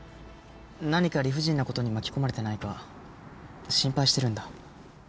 何か理不尽な事に巻き込まれてないか心配してるんだ。